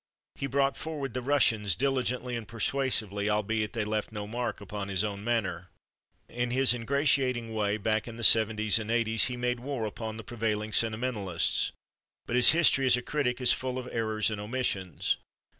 He brought forward the Russians diligently and persuasively, albeit they left no mark upon his own manner. In his ingratiating way, back in the seventies and eighties, he made war upon the prevailing sentimentalities. But his history as a critic is full of errors and omissions.